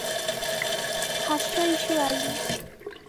খাস্বায়িসু Ali